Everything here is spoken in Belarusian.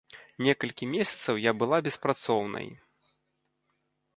Некалькі месяцаў я была беспрацоўнай.